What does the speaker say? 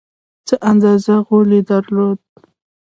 څه اندازه غولی یې درلود.